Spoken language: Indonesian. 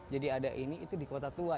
jadi ada ini itu di kota tua